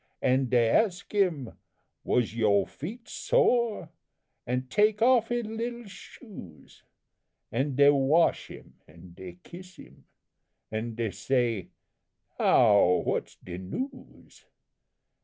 "An' dey ask him, 'Was your feet sore?' an' take off his little shoes, An' dey wash him, an' dey kiss him, an' dey say 'Now what's de news?'